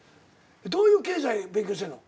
どういう経済勉強してんの？